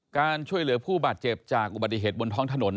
การช่วยเหลือผู้บาดเจ็บจากอุบัติเหตุบนท้องถนน